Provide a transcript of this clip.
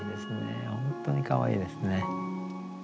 本当にかわいいですね。